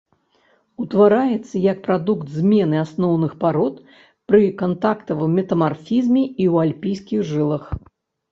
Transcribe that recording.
Утвараецца як прадукт змены асноўных парод пры кантактавым метамарфізме і ў альпійскіх жылах.